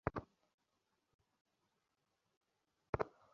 Radio ওয়েভের ক্ষুদ্র ক্ষুদ্র তরঙ্গ প্রবল গতিতে রোগীর দেহে প্রেরিত হয়।